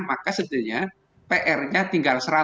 maka sebetulnya pr nya tinggal seratus